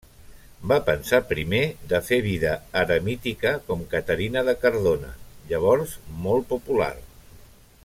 Va pensar primer de fer vida eremítica, com Caterina de Cardona, llavors molt popular.